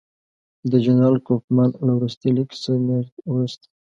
د جنرال کوفمان له وروستي لیک څه میاشت وروسته.